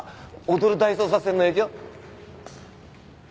『踊る大捜査線』の影響？